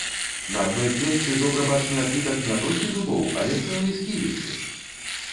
На адной клетцы добра бачны адбітак не толькі зубоў, але цэлай сківіцы!